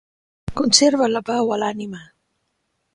Conserva la pau a l'ànima.